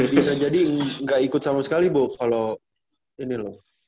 bisa jadi nggak ikut sama sekali bu kalau ini loh